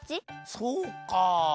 そうか。